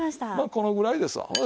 まあこのぐらいですわ。